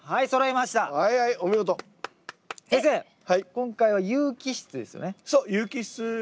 今回は有機質ですよね？